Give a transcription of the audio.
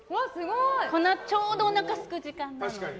ちょうどおなかがすく時間帯なので。